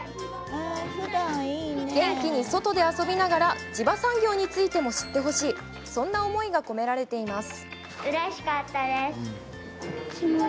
元気に外で遊びながら地場産業についても知ってほしいそんな思いが込められています。